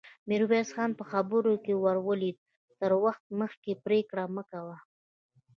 ميرويس خان په خبره کې ور ولوېد: تر وخت مخکې پرېکړه مه کوه!